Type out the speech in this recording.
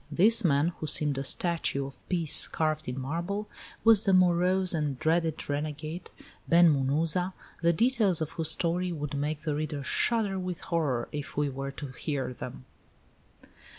This man, who seemed a statue of Peace carved in marble, was the morose and dreaded renegade, Ben Munuza, the details of whose story would make the reader shudder with horror, if he were to hear them.